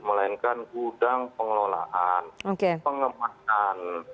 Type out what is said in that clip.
melainkan gudang pengelolaan pengemasan